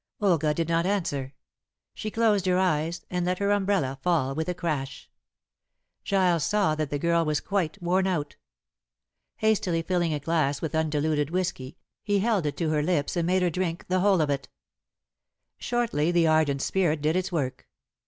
Olga did not answer. She closed her eyes and let her umbrella fall with a crash. Giles saw that the girl was quite worn out. Hastily filling a glass with undiluted whiskey, he held it to her lips, and made her drink the whole of it. Shortly the ardent spirit did its work.